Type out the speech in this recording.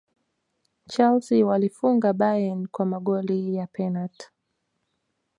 chelsea waliifunga bayern kwa magoli ya penati